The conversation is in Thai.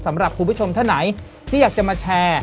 สำหรับคุณผู้ชมท่านไหนที่อยากจะมาแชร์